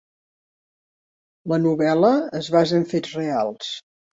La novel·la es basa en fets reals.